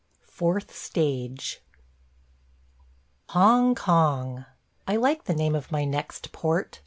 FOURTH STAGE HONG KONG! ... I like the name of my next port.